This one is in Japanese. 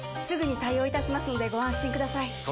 すぐに対応いたしますのでご安心ください